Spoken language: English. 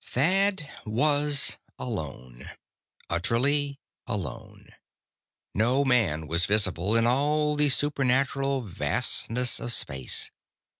Thad was alone. Utterly alone. No man was visible, in all the supernal vastness of space.